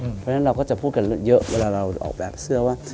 เพราะฉะนั้นเราก็จะพูดกันเยอะเวลาเราออกแบบเสื้อว่า